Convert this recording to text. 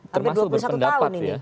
termasuk berpendapat ya